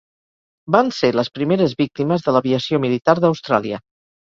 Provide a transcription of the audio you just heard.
Van ser les primeres víctimes de l'aviació militar d'Austràlia.